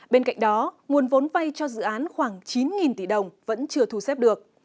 bên cạnh đó nguồn vốn vay cho dự án khoảng chín tỷ đồng vẫn chưa thu xếp được